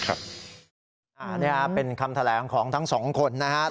อันนี้เป็นคำแถลงของทั้งสองคนนะครับ